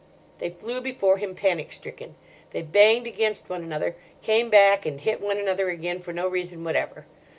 They flew before him, panic stricken. They banged against one another, came back and hit one another again for no reason whatever.